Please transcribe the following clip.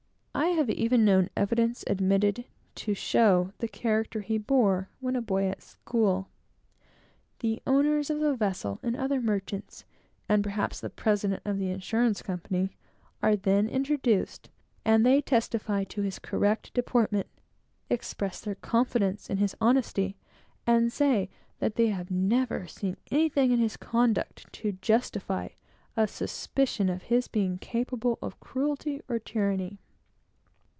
I have even known evidence admitted to show the character he bore when a boy at school. The owners of the vessel, and other merchants, and perhaps the president of the insurance company, are then introduced; and they testify to his correct deportment, express their confidence in his honesty, and say that they have never seen anything in his conduct to justify a suspicion of his being capable of cruelty or tyranny.